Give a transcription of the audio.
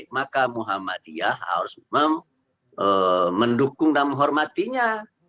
maka muhammadiyah harus mendukung dan menghormatinya